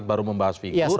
baru membahas figur